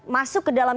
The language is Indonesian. masuk ke dalam